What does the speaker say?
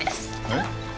えっ？